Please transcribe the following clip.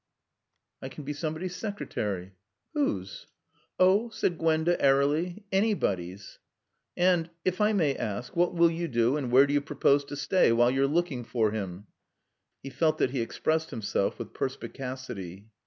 "I can be somebody's secretary." "Whose?" "Oh," said Gwenda airily, "anybody's." "And if I may ask what will you do, and where do you propose to stay, while you're looking for him?" (He felt that he expressed himself with perspicacity.)